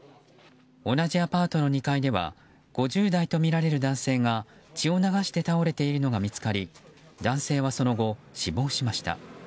同じアパートの２階では５０代とみられる男性が血を流して倒れているのが見つかり男性はその後、死亡しました。